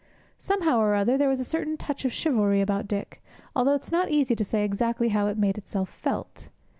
Somehow or other, there was a certain touch of chivalry about Dick, although it is not easy to say exactly how it made itself felt.